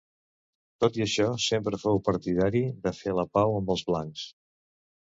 Tot i això, sempre fou partidari de fer la pau amb els blancs.